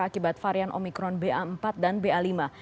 akibat varian omikron ba empat dan ba lima